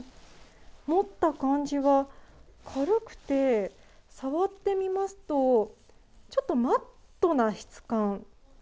持った感じは軽くて触ってみますとちょっとマットな質感。